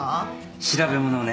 調べ物をね。